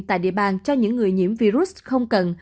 tại địa bàn cho những người nhiễm virus không cần